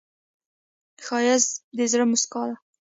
ښایست د زړه موسکا ده